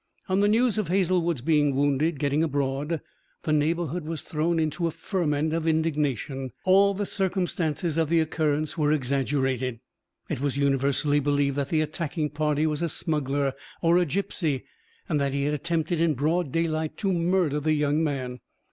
On the news of Hazlewood's being wounded getting abroad, the neighbourhood was thrown into a ferment of indignation. All the circumstances of the occurrence were exaggerated. It was universally believed that the attacking party was a smuggler or a gipsy, and that he had attempted in broad daylight to murder the young man.